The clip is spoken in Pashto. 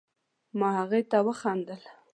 ما هغې ته وخندل